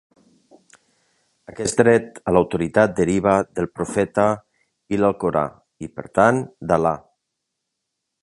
Aquest dret a l"autoritat deriva del profeta i l"alcorà, i per tant, d"Al·là.